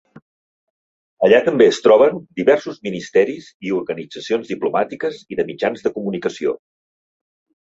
Allà també es troben diversos ministeris i organitzacions diplomàtiques i de mitjans de comunicació.